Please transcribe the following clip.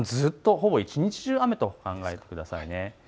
ほぼ一日中、雨と考えてください。